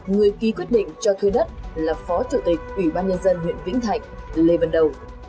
người ký quyết định cho thuê đất là phó chủ tịch ủy ban nhân dân huyện vĩnh thạnh lê văn đầu